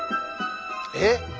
えっ？